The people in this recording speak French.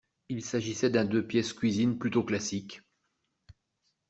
Il s’agissait d’un deux-pièces cuisine plutôt classique.